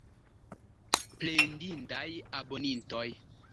Plendindaj abonintoj!